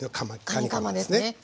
かにかまですね。